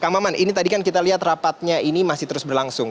kang maman ini tadi kan kita lihat rapatnya ini masih terus berlangsung